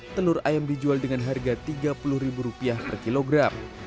telur ayam dijual dengan harga rp tiga puluh per kilogram